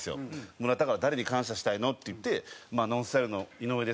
「村田は誰に感謝したいの？」って言って「ＮＯＮＳＴＹＬＥの井上ですね」